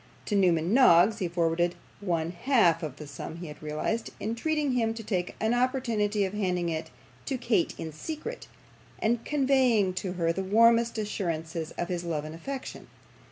To Newman Noggs he forwarded one half of the sum he had realised, entreating him to take an opportunity of handing it to Kate in secret, and conveying to her the warmest assurances of his love and affection.